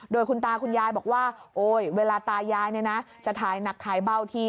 โดยคุณตาคุณยายบอกว่าโอ๊ยเวลาตายายจะถ่ายหนักถ่ายเบ้าที่